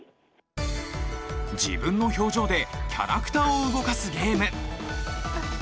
自分の表情でキャラクターを動かすゲーム！